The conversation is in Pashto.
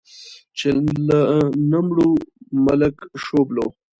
چې له نه مړو، ملک شوبلو.